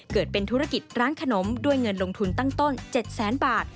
เกิดเป็นธุรกิจร้านขนมด้วยเงินลงทุนตั้งต้น๗แสนบาท